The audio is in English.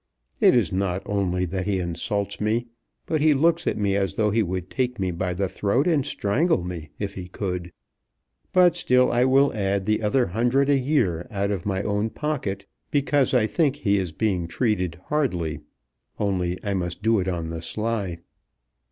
It is not only that he insults me, but he looks at me as though he would take me by the throat and strangle me if he could. But still I will add the other hundred a year out of my own pocket, because I think he is being treated hardly. Only I must do it on the sly."